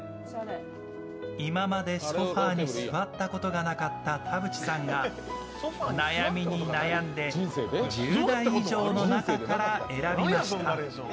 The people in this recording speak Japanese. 今までソファーに座ったことのなかった田渕さんが悩みに悩んで１０台以上の中から選びました。